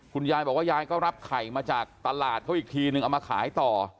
คุณยายบอกว่ายายก็รับไข่มาจากตลาดเขาอีกทีนึงเอามาขายต่อ